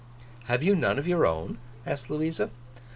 'Have you none of your own?' asked Louisa.